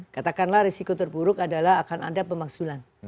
katakanlah risiko terburuk adalah akan ada pemaksulan